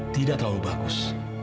tidak terlalu bagus